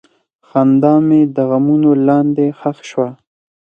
خندا مې د غمونو لاندې ښخ شوه.